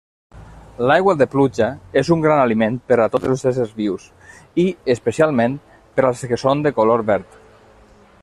L'aigua de pluja és un gran aliment per a tots els éssers vius i, especialment, per als que són de color verd.